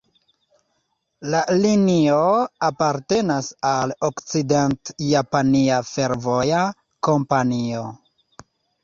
La linio apartenas al Okcident-Japania Fervoja Kompanio.